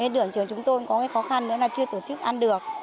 đường trường chúng tôi có cái khó khăn nữa là chưa tổ chức ăn được